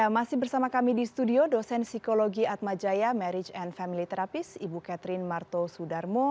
masih bersama kami di studio dosen psikologi atma jaya marriage and family therapist ibu catherine marto sudarmo